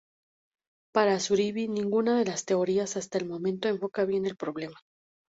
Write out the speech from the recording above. Para Zubiri ninguna de las teorías hasta el momento enfoca bien el problema.